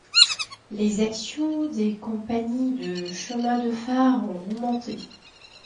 Les actions des compagnies de chemins de fer ont remonté.